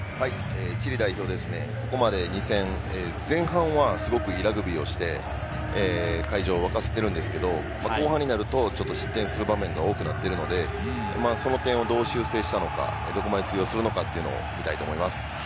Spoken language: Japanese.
チリ代表、ここまで２戦、前半はすごくいいラグビーをして会場をわかせてるんですけれども、後半になると、ちょっと失点する場面も多くなってるので、その点をどう修正したのか、どこまで通用するのかというのを見たいと思います。